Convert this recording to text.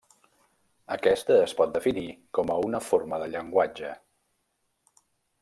Aquesta es pot definir com a una forma de llenguatge.